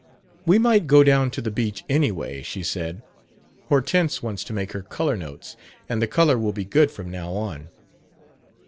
"We might go down to the beach, anyway," she said. "Hortense wants to make her color notes, and the color will be good from now on."